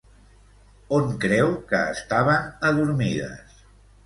On creu que estaven adormides?